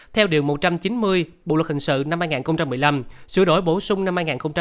theo điều một trăm chín mươi bộ luật hình sự năm hai nghìn một mươi năm sửa đổi bổ sung năm hai nghìn một mươi bảy